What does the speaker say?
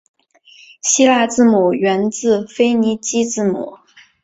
希腊字母源自腓尼基字母。